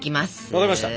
分かりました。